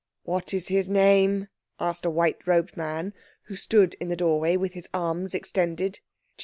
"What is his name?" asked a white robed man who stood in the doorway with his arms extended.